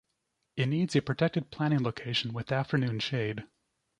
It needs a protected planting location with afternoon shade.